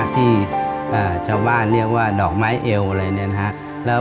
ที่ชาวบ้านเรียกว่าดอกไม้เอว